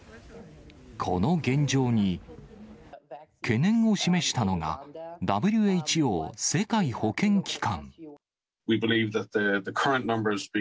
この現状に懸念を示したのが、ＷＨＯ・世界保健機関。